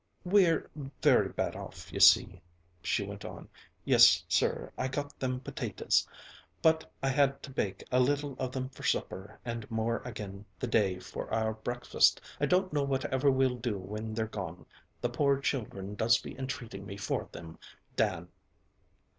"We're very bad off, you see," she went on. "Yes, sir, I got them potaties, but I had to bake a little of them for supper and more again the day, for our breakfast. I don't know whatever we'll do whin they're gone. The poor children does be entreating me for them, Dan!"